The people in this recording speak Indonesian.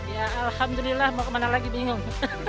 ya alhamdulillah mau kemana lagi bingung